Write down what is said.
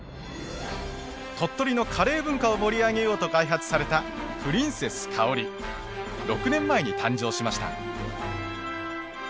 鳥取のカレー文化を盛り上げようと開発された６年前に誕生しました。